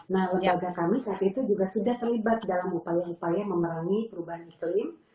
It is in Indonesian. nah lembaga kami saat itu juga sudah terlibat dalam upaya upaya memerangi perubahan iklim